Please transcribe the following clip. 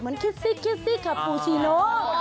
เหมือนคิดซิกคิดซิกคาปูชิโน